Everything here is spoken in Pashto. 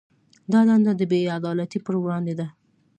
دا دنده د بې عدالتۍ پر وړاندې ده.